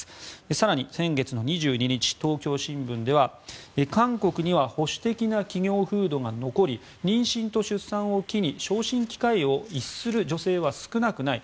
更に先月の２２日東京新聞では韓国には保守的な企業風土が残り妊娠と出産を機に昇進機会を逸する女性は少なくない。